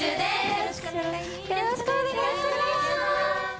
よろしくお願いします。